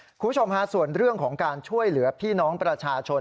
คุณผู้ชมฮะส่วนเรื่องของการช่วยเหลือพี่น้องประชาชน